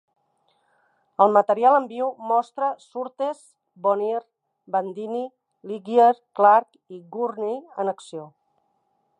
El material en viu mostra en Surtess, Bonnier, Bandini, Ligier, Clark i Gurney en acció.